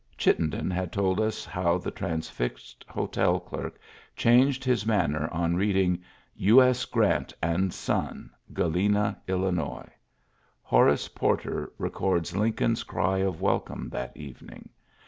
Chittenden has told us how the transfixed hotel clerk changed his man ner on reading, "U. S. Grant and son, Galena^ HI.'' Horace Porter records Lincoln's cry of welcome that evening.